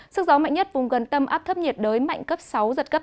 sức gió mạnh nhất vùng gần tâm áp thấp nhiệt đới mạnh cấp sáu giật cấp tám